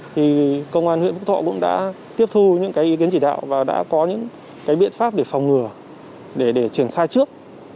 thì công an huyện phúc thọ cũng đã tiếp thu những cái ý kiến chỉ đạo và đã có những cái biện pháp để phòng ngừa để triển khai trước